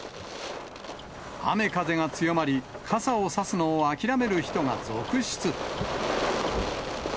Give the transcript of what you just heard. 雨風が強まり、傘を差すのを諦める人が続出。